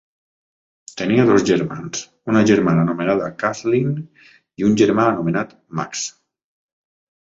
Tenia dos germans, una germana anomenada Kathleen i un germà anomenat Max.